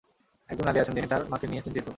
একজন নারী আছেন, যিনি তার মাকে নিয়ে চিন্তিত।